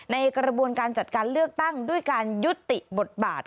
ในกระบวนการจัดการเลือกตั้งด้วยการยุติบทบาท